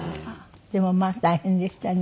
でもまあ大変でしたね。